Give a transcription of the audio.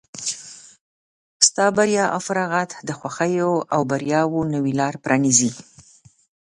ستا بریا او فارغت د خوښیو او بریاوو نوې لاره پرانیزي.